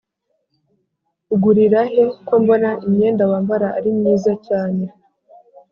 ugurirahe kombona imyenda wambara ari myiza cyane